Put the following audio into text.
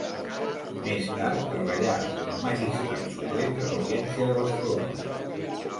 Més tard treballà com a Magistrat suplent de l'Audiència de Barcelona.